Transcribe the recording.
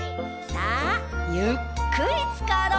さあゆっくりつかろう！